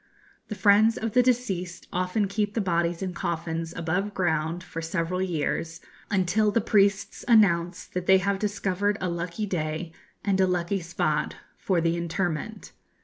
The friends of the deceased often keep the bodies in coffins above ground for several years, until the priests announce that they have discovered a lucky day and a lucky spot for the interment.